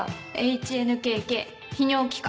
ＨＮＫＫ泌尿器科。